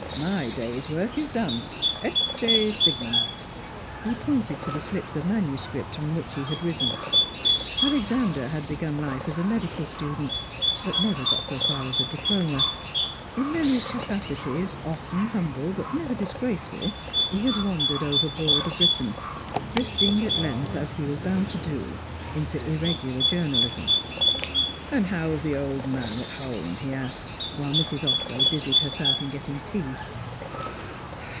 My day's work is done ecce signum!" He pointed to the slips of manuscript from which he had risen. Alexander had begun life as a medical student, but never got so far as a diploma. In many capacities, often humble but never disgraceful, he had wandered over Broader Britain drifting at length, as he was bound to do, into irregular journalism. "And how's the old man at home?" he asked, whilst Mrs. Otway busied herself in getting tea.